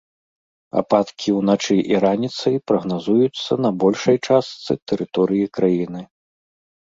Ападкі ўначы і раніцай прагназуюцца на большай частцы тэрыторыі краіны.